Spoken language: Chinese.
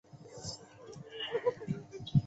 苍山假瘤蕨为水龙骨科假瘤蕨属下的一个种。